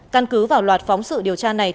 căn cứ vào loạt phóng sự điều tra này